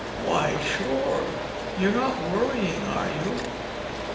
"Why sure! You're not worrying, are you?"